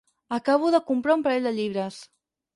Acabo de comprar un parell de llibres.